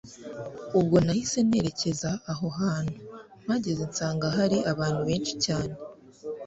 ubwo nahise nerekeza aho hantu, mpageze nsanga hari abantu benshi cyane